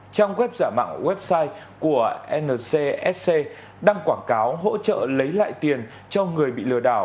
trong web website của ncsc đăng quảng cáo hỗ trợ lấy lại tiền cho người bị lừa đảo